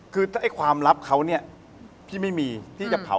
แต่มันมีความลับที่แปลกมากว่าทั้งคู่อ่ะ